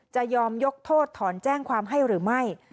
จะยอมยกโทษถอนแจ้งความให้หรือไม่